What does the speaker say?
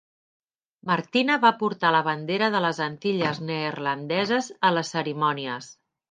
Martina va portar la bandera de les Antilles Neerlandeses a les cerimònies.